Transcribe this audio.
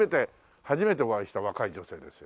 初めてお会いした若い女性ですよ。